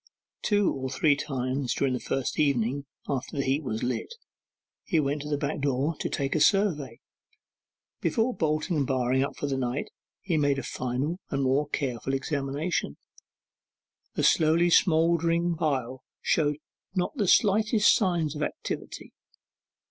Two or three times during the first evening after the heap was lit, he went to the back door to take a survey. Before bolting and barring up for the night, he made a final and more careful examination. The slowly smoking pile showed not the slightest signs of activity.